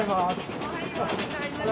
おはようございます。